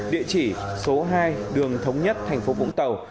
địa chỉ số hai đường thống nhất thành phố vũng tàu